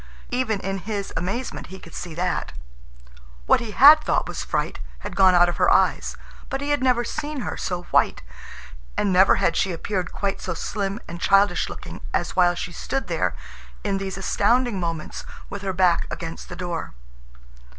Even in his amazement he could see that. What he had thought was fright had gone out of her eyes. But he had never seen her so white, and never had she appeared quite so slim and childish looking as while she stood there in these astounding moments with her back against the door.